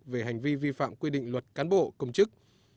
về hành vi vi phạm quy định luật cán bộ công chức